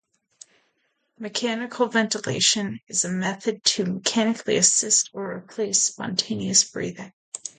Mechanical ventilation is a method to mechanically assist or replace spontaneous breathing.